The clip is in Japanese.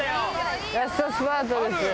ラストスパートです。